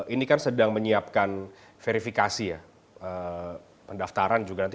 ini kan sedang menyiapkan verifikasi ya pendaftaran juga nanti